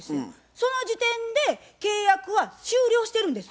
その時点で契約は終了してるんです。